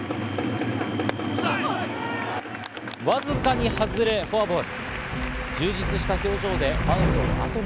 わずかに外れ、フォアボール。